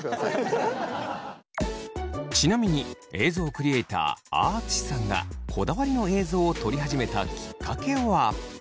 ちなみに映像クリエイターあああつしさんがこだわりの映像を撮り始めたきっかけは。